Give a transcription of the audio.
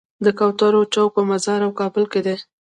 د کوترو چوک په مزار او کابل کې دی.